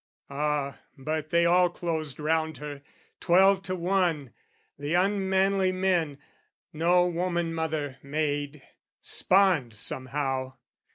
Ah, but they all closed round her, twelve to one, The unmanly men, no woman mother made, Spawned somehow!